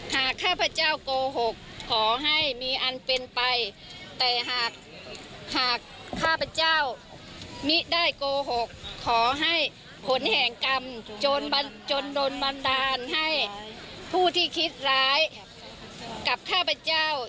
ข้าพเจ้าโกหกขอให้มีอันเป็นไปแต่หากหากข้าพเจ้ามิได้โกหกขอให้ผลแห่งกรรมจนโดนบันดาลให้ผู้ที่คิดร้ายกับข้าพเจ้า